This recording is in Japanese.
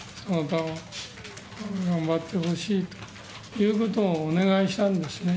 その他を頑張ってほしいということをお願いしたんですね。